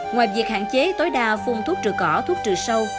ngoài việc hạn chế tối đa phun thuốc trừ cỏ thuốc trừ sâu